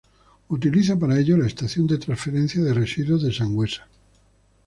Utiliza para ello la estación de transferencia de residuos de Sangüesa.